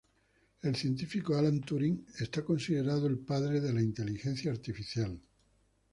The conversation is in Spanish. El científico Alan Turing es considerado padre de la inteligencia artificial.